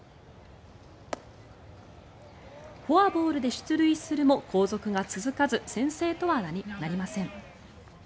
フォアボールで出塁するも後続が続かず先制とはなりません。